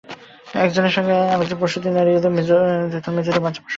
একসঙ্গে চারজন প্রসূতি নারী এলে তাঁদের মেঝেতে বাচ্চা প্রসব করাতে হচ্ছে।